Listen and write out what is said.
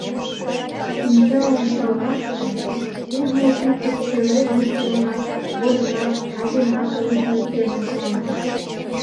Шинча ончалмаште ужмо пӱртӱс пеледме семынак вольыкат, айдемат ылыжме семын койыт.